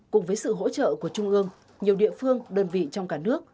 cùng với sự hỗ trợ của trung ương nhiều địa phương đơn vị trong cả nước